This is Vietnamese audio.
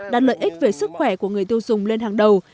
đặt lợi ích về sức khỏe của người tiêu dùng lên hàng đầu